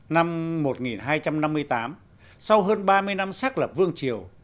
năm một nghìn hai trăm năm mươi tám sau hơn ba mươi năm xác lập vương triều